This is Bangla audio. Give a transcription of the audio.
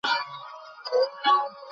এই তোমার গা ছুঁয়ে বলছি, কল্পনাও করি নি।